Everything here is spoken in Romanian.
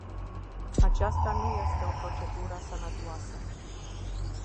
Aceasta nu este o procedură sănătoasă.